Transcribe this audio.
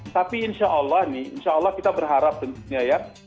tapi insya allah nih insya allah kita berharap tentunya ya